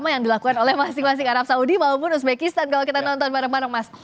yang dilakukan oleh masing masing arab saudi maupun uzbekistan kalau kita nonton bareng bareng mas